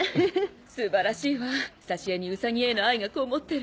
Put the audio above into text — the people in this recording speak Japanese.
素晴らしいわ挿絵にウサギへの愛がこもってる。